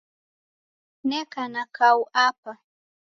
Neka na kau Apa.